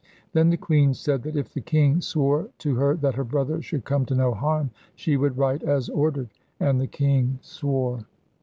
Then the queen said that if the king swore to her that her brother should come to no harm, she would write as ordered. _And the king swore.